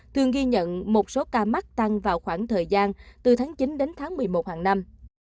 thường ghi nhận một số ca mắc tăng vào khoảng thời gian từ tháng chín đến tháng một mươi một hàng năm